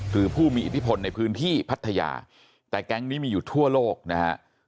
ผู้มีอิทธิพลในพื้นที่พัทยาแต่แก๊งนี้มีอยู่ทั่วโลกนะฮะ